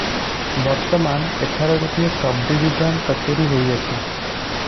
ବର୍ତ୍ତମାନ ଏଠାରେ ଗୋଟିଏ ସବ୍ଡ଼ିବିଜନ କଚେରୀ ହୋଇଅଛି ।